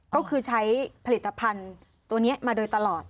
ก็คือใช้ผลิตภัณฑ์ตัวนี้มาโดยตลอด